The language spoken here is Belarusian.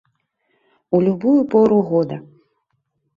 У любую пору года.